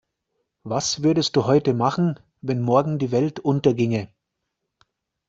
Was würdest du heute machen, wenn morgen die Welt unterginge?